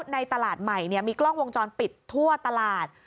ในตลาดใหม่มีกล้องวงจรปิดทั่วตลาด